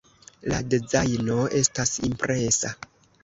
La dezajno estas impresa.